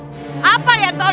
tidak apa yang kau lakukan